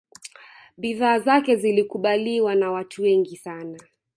bidhaa zake zilikubaliwa na watu wengi sana